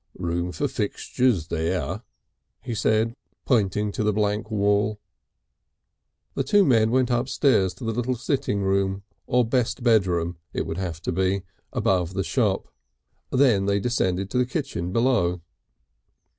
"Room for fixtures there," he said, pointing to the blank wall. The two men went upstairs to the little sitting room or best bedroom (it would have to be) above the shop. Then they descended to the kitchen below.